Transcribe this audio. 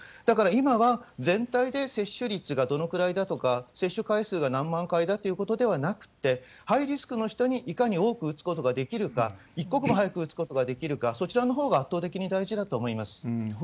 だから今は、全体で接種率がどのくらいだとか、接種回数が何万回だということではなくって、ハイリスクの人にいかに多く打つことができるか、一刻も早く打つことができるか、そちらのほうが圧倒的に大事だと思います。